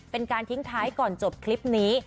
เป็นการทิ้งท้ายก่อนจบคลิปนี้